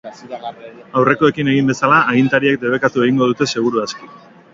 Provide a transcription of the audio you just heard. Aurrekoekin egin bezala, agintariek debekatu egingo dute seguru aski.